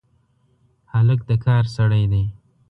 هلک د کار سړی دی.